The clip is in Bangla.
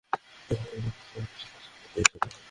ওটা দিয়ে আমার পরচুলা ছিঁড়ে নিয়েছিল।